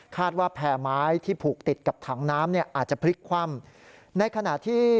คาดว่าแผ่ไม้ที่ผูกติดกับถังน้ำอาจจะพลิกคว่ำ